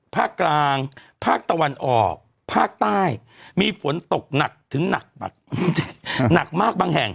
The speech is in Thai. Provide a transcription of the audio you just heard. ภาคกลางภาคตะวันออกภาคใต้มีฝนตกหนักถึงหนักหนักมากบางแห่ง